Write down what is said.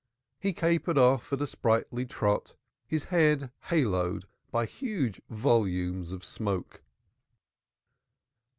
He capered off at a sprightly trot, his head haloed by huge volumes of smoke.